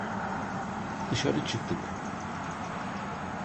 Dışarı çıktık.